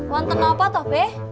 wanton apa toh beh